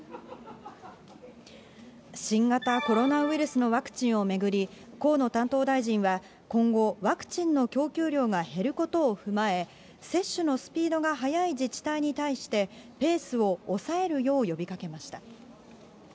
新型コロナウイルスのワクチンを巡り、河野担当大臣は、今後、ワクチンの供給量が減ることを踏まえ、接種のスピードが速い自治体に対して、ペースを抑えるよう呼びかけました。